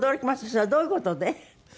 それはどういう事で？